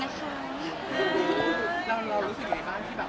เรารู้สึกอยู่ในบ้านที่คือบางคนอะ